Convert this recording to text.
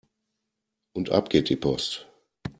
Und ab geht die Post!